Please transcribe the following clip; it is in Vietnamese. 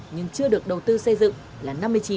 nhưng chưa được đầu tư xây dựng là năm mươi chín